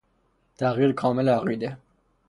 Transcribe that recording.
تغییر کامل عقیده